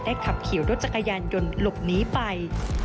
ขับขี่รถจักรยานยนต์หลบหนีไป